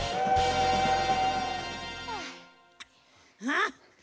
あっ